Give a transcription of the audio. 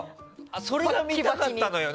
それが見たかったのよ。